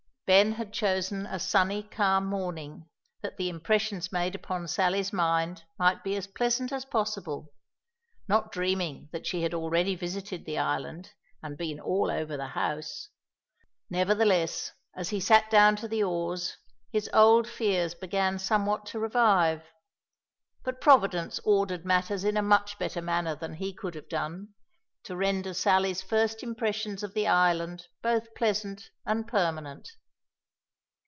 Ben had chosen a sunny, calm morning, that the impressions made upon Sally's mind might be as pleasant as possible, not dreaming that she had already visited the island, and been all over the house. Nevertheless, as he sat down to the oars, his old fears began somewhat to revive; but Providence ordered matters in a much better manner than he could have done, to render Sally's first impressions of the island both pleasant and permanent.